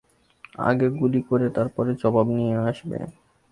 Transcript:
আগে গুলি করে তারপর জবাব নিয়ে আসবে।